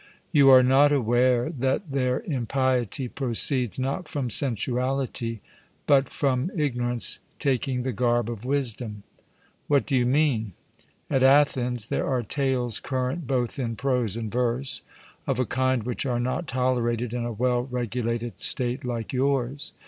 You are not aware that their impiety proceeds, not from sensuality, but from ignorance taking the garb of wisdom. 'What do you mean?' At Athens there are tales current both in prose and verse of a kind which are not tolerated in a well regulated state like yours.